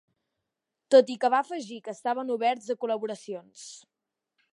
Tot i que va afegir que estaven oberts a col·laboracions.